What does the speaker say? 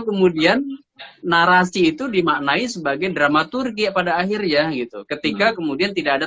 kemudian narasi itu dimaknai sebagai dramaturgi pada akhirnya gitu ketika kemudian tidak ada